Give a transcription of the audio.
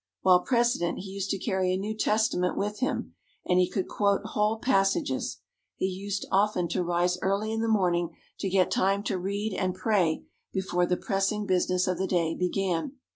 While President, he used to carry a New Testament with him; and he could quote whole passages. He used often to rise early in the morning to get time to read and pray before the pressing business of the day began.